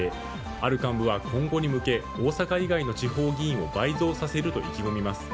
ある幹部は今後に向け大阪以外の地方議員を倍増させると意気込みます。